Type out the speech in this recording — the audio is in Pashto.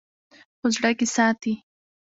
په زړه کښې ساتي--